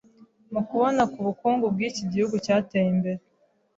mu kubona ku bukungu bw’iki gihugu cyateye imbere.